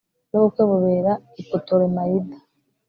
n'ubukwe bubera i putolemayida